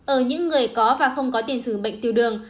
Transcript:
ở những người có và không có tiền sử bệnh tiêu đường